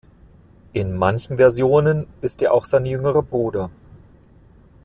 In manchen Versionen ist er auch sein jüngerer Bruder.